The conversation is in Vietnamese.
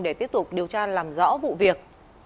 để tiếp tục điều tra làm rõ vụ việc